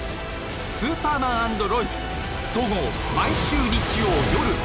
「スーパーマン＆ロイス」総合毎週日曜夜１１時。